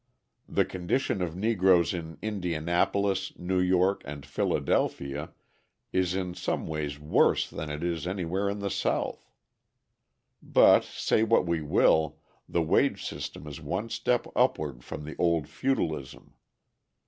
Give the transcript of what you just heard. The condition of Negroes in Indianapolis, New York, and Philadelphia is in some ways worse than it is anywhere in the South. But, say what we will, the wage system is one step upward from the old feudalism.